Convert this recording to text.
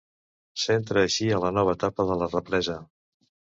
S'entra així en la nova etapa de la represa.